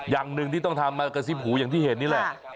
อย่างหนึ่งที่ต้องทำมากระซิบหูอย่างที่เห็นนี่แหละ